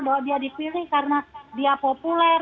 bahwa dia dipilih karena dia populer